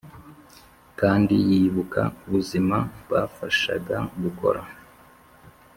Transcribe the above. kandi yibuka ubuzima bafashaga gukora.